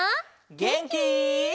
げんき？